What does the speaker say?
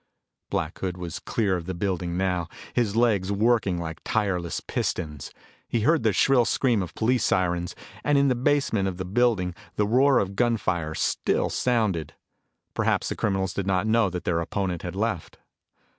Black Hood was clear of the building now, his legs working like tireless pistons. He heard the shrill scream of police sirens, and in the basement of the building the roar of gun fire still sounded. Perhaps the criminals did not know that their opponent had left.